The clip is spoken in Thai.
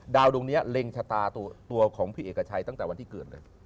ดวงนี้เล็งชะตาตัวของพี่เอกชัยตั้งแต่วันที่เกิดเลย